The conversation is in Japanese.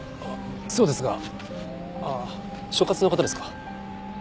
そうですがああ所轄の方ですか？